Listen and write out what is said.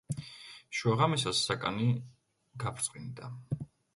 შუაღამისას საკანი გაბრწყინდა.